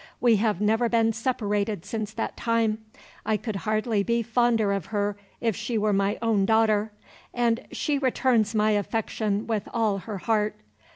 We have never been separated since that time. I could hardly be fonder of her if she were my own daughter; and she returns my affection with all her heart.